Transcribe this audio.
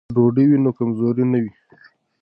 که ډوډۍ وي نو کمزوري نه وي.